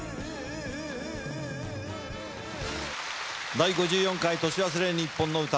『第５４回年忘れにっぽんの歌』。